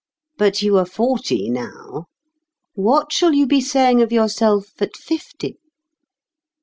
But you are forty now. What shall you be saying of yourself at fifty?